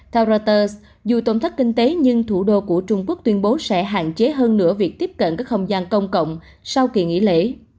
theo reuters dù tổn thất kinh tế nhưng thủ đô của trung quốc tuyên bố sẽ hạn chế hơn nữa việc tiếp cận các không gian công cộng sau kỳ nghỉ lễ